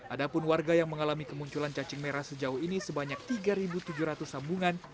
ada pun warga yang mengalami kemunculan cacing merah sejauh ini sebanyak tiga tujuh ratus sambungan